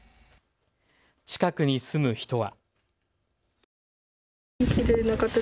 近くに住む人は。